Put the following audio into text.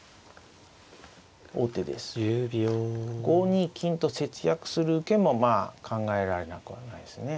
５二金と節約する受けもまあ考えられなくはないですね。